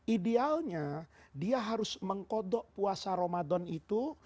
idealnya dia harus mengkodok puasa ramadan itu